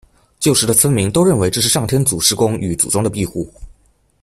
旧时的村民都认为这是上天祖师公与祖宗的庇护。